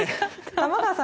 玉川さん